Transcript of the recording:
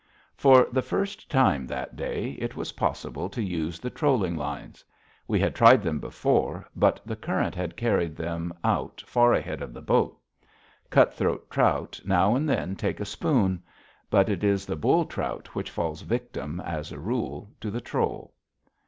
For the first time that day, it was possible to use the trolling lines. We had tried them before, but the current had carried them out far ahead of the boat. Cut throat trout now and then take a spoon. But it is the bull trout which falls victim, as a rule, to the troll.